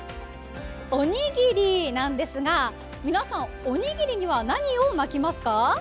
おにぎりなんですが、皆さん、おにぎりには何を巻きますか？